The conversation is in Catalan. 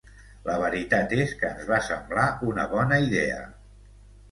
La veritat és que ens va semblar una bona idea.